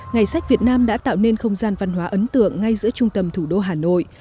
ngày sách việt nam đã tạo nên không gian văn hóa ấn tượng ngay giữa trung tâm thủ đô hà nội